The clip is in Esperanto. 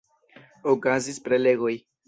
Okazis prelegoj.